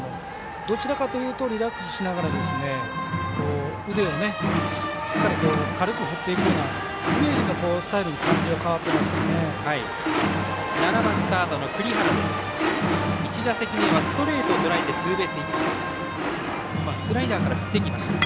どちらかというとリラックスしながら腕をしっかり軽く振っていくようなイメージのスタイルに変わってますよね。